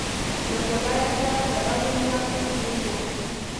له خدایه سره به په راز و نیاز مشغول و.